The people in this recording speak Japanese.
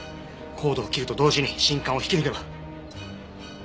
コードを切ると同時に信管を引き抜けば。